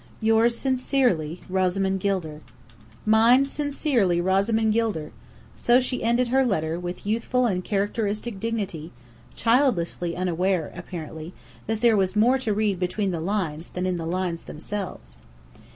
Yours sincerely, ROSAMOND GILDER. Mine "sincerely, Rosamond Gilder!" So she ended her letter, with youthful and characteristic dignity, childishly unaware, apparently, that there was more to read between the lines than in the lines themselves.